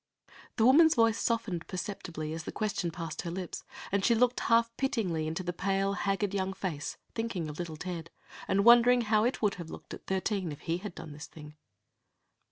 The woman's voice softened perceptibly as the question passed her lips, and she looked half pityingly into the pale, haggard young face, thinking of little Ted's, and wondering how it would have looked at thirteen if he had done this thing.